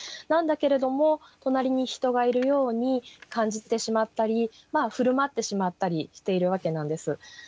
なんだけれども隣に人がいるように感じてしまったり振る舞ってしまったりしているわけなんです。